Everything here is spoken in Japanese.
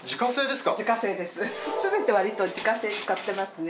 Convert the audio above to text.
すべてわりと自家製使ってますね。